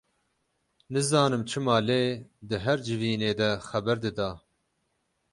Nizanim çima lê di her civînê de xeber dida.